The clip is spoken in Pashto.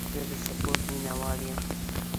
زه د سپورټ مینهوال یم.